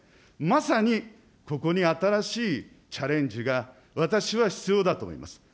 まさにここに新しいチャレンジが私は必要だと思います。